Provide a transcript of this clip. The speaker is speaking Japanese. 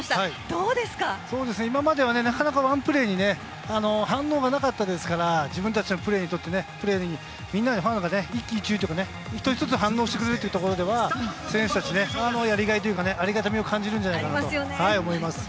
そうですね、今まではなかなかワンプレーに反応がなかったですから、自分たちのプレーにとってね、みんなでファンの方、一喜一憂というかね、一つ一つ反応してくれるというところでは、選手たちね、やりがいというか、ありがたみを感じるんじゃないかと思います。